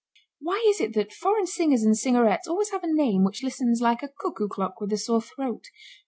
Why is it that foreign singers and singerettes always have a name which listens like a cuckoo clock with a sore throat.